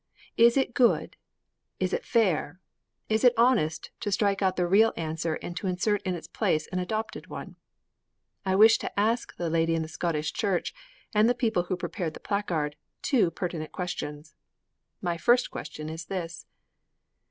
Is it good, is it fair, is it honest to strike out the real answer and to insert in its place an adopted one? I wish to ask the lady in the Scottish church and the people who prepared the placard two pertinent questions. My first question is this.